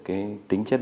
cái tính chất